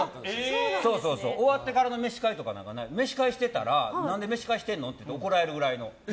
終わってからの飯会なんて飯会してたら何で飯会してるのって怒られるぐらいの。